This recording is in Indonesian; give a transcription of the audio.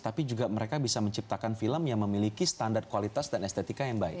tapi juga mereka bisa menciptakan film yang memiliki standar kualitas dan estetika yang baik